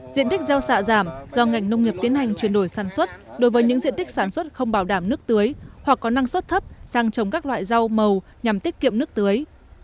diện tích gieo xạ giảm do ngành nông nghiệp tiến hành chuyển đổi sản xuất đối với những diện tích sản xuất không bảo đảm nước tưới hoặc có năng suất thấp sang trồng các loại rau màu nhằm tiết kiệm nước tưới